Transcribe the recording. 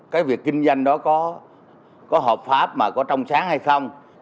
cái việc kinh doanh đó có hợp pháp mà có trong sáng hay không